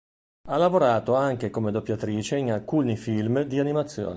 Ha lavorato anche come doppiatrice in alcuni film di animazione.